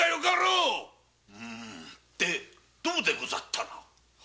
うんでどうでござった？